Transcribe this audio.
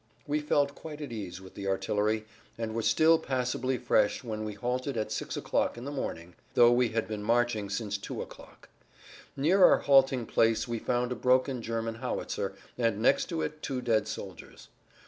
We felt quite at ease with the artillery, and were still passably fresh when we halted at six o'clock in the morning, though we had been marching since two o'clock. Near our halting place we found a broken German howitzer, and next to it two dead soldiers.